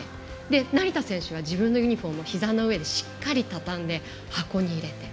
成田選手は自分のユニフォームひざの上でしっかり畳んで箱に入れて。